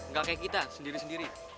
gak kayak kita sendiri sendiri